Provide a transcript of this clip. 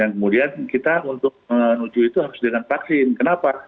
kemudian kita untuk menuju itu harus dengan vaksin kenapa